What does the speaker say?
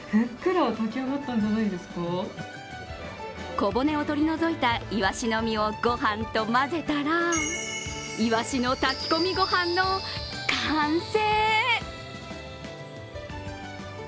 小骨を取り除いたいわしの身をご飯と混ぜたらいわしの炊き込みご飯の完成。